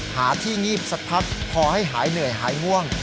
หาที่งีบสักพักพอให้หายเหนื่อยหายง่วง